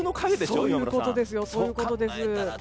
そういうことです。